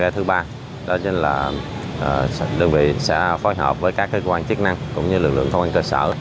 thứ ba đó là đơn vị sẽ phối hợp với các cơ quan chức năng cũng như lực lượng công an cơ sở